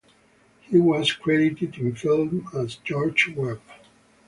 He was credited in films as George Webb.